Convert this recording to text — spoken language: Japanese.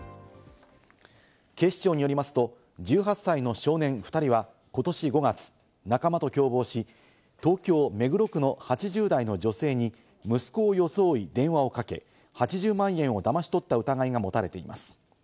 警視庁によりますと、１８歳の少年２人はことし５月、仲間と共謀し、東京・目黒区の８０代の女性に息子を装い電話をかけ、８０万円をだまし取った疑いが持たれています。